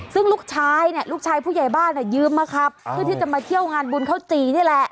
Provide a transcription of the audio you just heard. ซึ่งลูกชายเนี่ยลูกชายผู้ใหญ่บ้านยืมมาครับเพื่อที่จะมาเที่ยวงานบุญข้าวจี่นี่แหละ